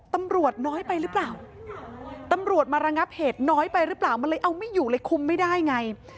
ตำรวจน้อยไปรึเปล่า